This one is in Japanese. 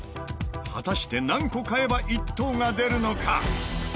果たして何個買えば１等が出るのか？